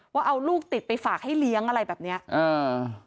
ว่าเอาลูกติดไปฝากให้เลี้ยงอะไรแบบเนี้ยอ่า